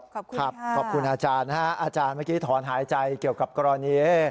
ขอบคุณอาจารย์นะฮะอาจารย์เมื่อกี้ถอนหายใจเกี่ยวกับกรณี